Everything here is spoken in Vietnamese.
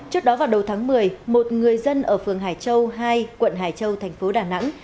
trước đó vào đầu tháng một mươi một người dân ở phường hải châu hai quận hải châu thành phố đà nẵng